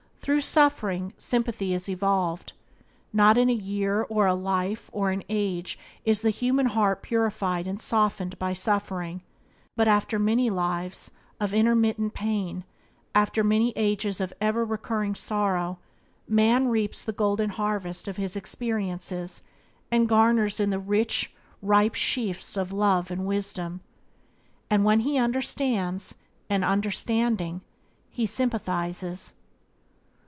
Through suffering sympathy is evolved. Not in a year or a life or an age is the human heart purified and softened by suffering, but after many lives of intermittent pain, after many ages of ever recurring sorrow, man reaps the golden harvest of his experiences, and garners in the rich, ripe sheaves of love and wisdom. And then he understands, and understanding, he sympathizes.